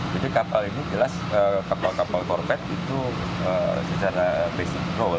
jadi kapal ini jelas kapal kapal korpet itu secara basic goal